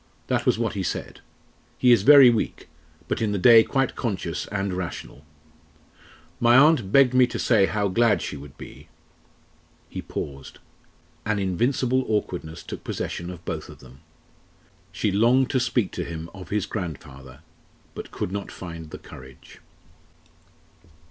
that was what he said. He is very weak, but in the day quite conscious and rational. My aunt begged me to say how glad she would be " He paused. An invincible awkwardness took possession of both of them. She longed to speak to him of his grandfather but could not find the courage.